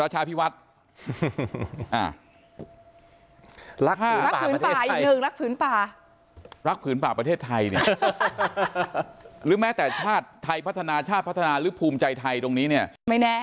หรือแม้แต่ชาติไทยพัฒนาชาติพัฒนาหรือภูมิใจไทยตรงนี้เนี่ยไม่แน่